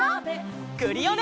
クリオネ！